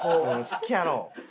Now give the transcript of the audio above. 好きやろ。